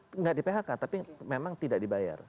tidak di phk tapi memang tidak dibayar